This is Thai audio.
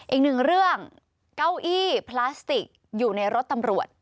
อีกหนึ่งเรื่องเก้าอี้พลาสติกอยู่ในรถตำรวจ